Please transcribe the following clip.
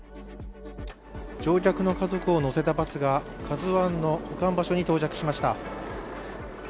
乗客の家族を乗せたバスが、「ＫＡＺＵ１」の保管場所に到着しました。